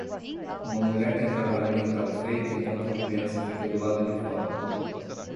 Uma mulher tem trabalho dental feito enquanto uma criança fica do lado de fora.